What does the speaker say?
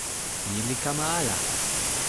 ni li kama ala!